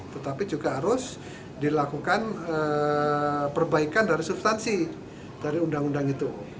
tetapi juga harus dilakukan perbaikan dari substansi dari undang undang itu